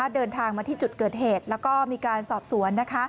เดินทางมาที่จุดเกิดเหตุแล้วก็มีการสอบสวน